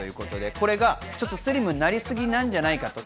これがスリムになりすぎなんじゃないかと。